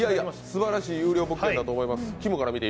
すばらしい優良物件だと思います。